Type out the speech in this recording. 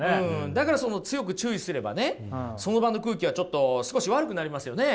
だからその強く注意すればねその場の空気はちょっと少し悪くなりますよね？